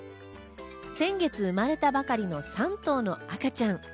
先月生まれたばかりの３頭の赤ちゃん。